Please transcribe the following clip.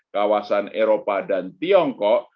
kawasan eropa dan tiongkok